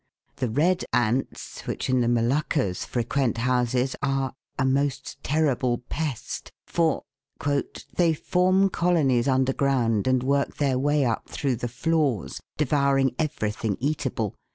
The red ants which in the Moluccas frequent houses are " a most terrible pest," for " they form colonies underground and work their way up through the floors, devouring every thing eatable.